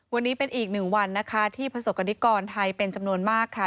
วันนี้เป็นอีกหนึ่งวันนะคะที่ประสบกรณิกรไทยเป็นจำนวนมากค่ะ